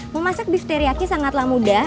memasak bif teriyaki sangatlah mudah